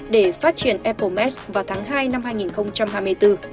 để phát triển apple mask vào tháng hai năm hai nghìn hai mươi bốn